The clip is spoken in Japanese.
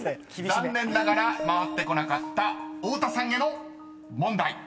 残念ながら回ってこなかった太田さんへの問題］